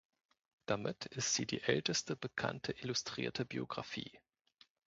Damit ist sie die älteste bekannte illustrierte Biographie.